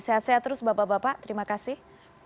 sehat sehat terus bapak bapak terima kasih